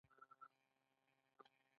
د فکر کولو لپاره څلور ربعي موډل شته.